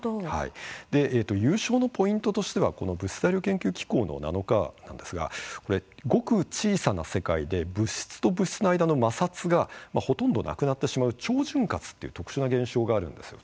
で、優勝のポイントととしてはこの物質・材料研究機構のナノカーなんですがこれ、ごく小さな世界で物質と物質の間の摩擦がほとんどなくなってしまう超潤滑という特殊な現象があるんですよ。